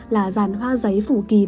là ràn hoa giấy phủ kín